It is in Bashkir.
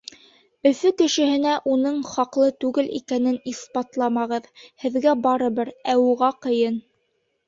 Өфө кешеһенә уның хаҡлы түгел икәнен иҫбатламағыҙ. Һеҙгә барыбер, ә уға ҡыйын.